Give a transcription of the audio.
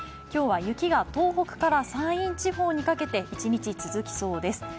今日は雪が東北から山陰地方にかけて一日続きそうです。